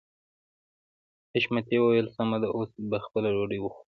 حشمتي وويل سمه ده اوس به خپله ډوډۍ وخورو.